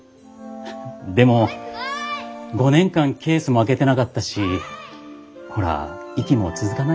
でも５年間ケースも開けてなかったしほら息も続かないしね。